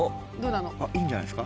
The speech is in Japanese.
いいんじゃないですか。